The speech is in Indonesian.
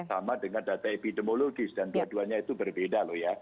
sama dengan data epidemiologis dan dua duanya itu berbeda loh ya